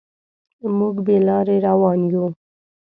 موږ بې لارې روان یو.